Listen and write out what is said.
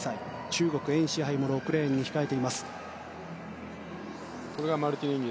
中国、エン・シハイも６レーンに控えています。